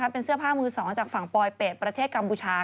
เป็นเสื้อผ้ามือ๒จากฝั่งปลอยเป็ดประเทศกัมพูชา